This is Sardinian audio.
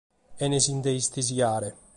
Sena si nde istesiare.